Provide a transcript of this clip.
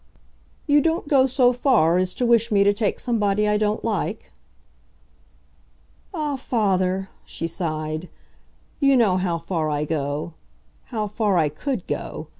"You don't go so far as to wish me to take somebody I don't like?" "Ah, father," she sighed, "you know how far I go how far I COULD go.